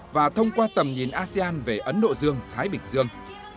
và thông qua tầm nhìn asean về ấn độ dương thái bình dương